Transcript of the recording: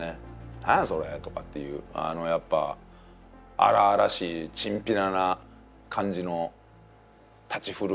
「何や！それ」とかっていうあのやっぱ荒々しいチンピラな感じの立ち居振る舞いとかね。